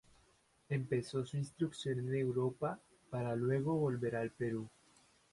Empezó su instrucción en Europa, para luego volver al Perú.